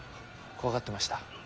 怖がってました？